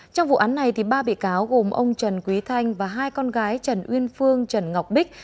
trong vụ án này ba bị cáo gồm ông trần quý thanh và hai con gái trần uyên phương trần ngọc bích